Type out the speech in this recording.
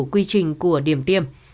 quy trình của điểm tiêm